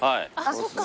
そっか。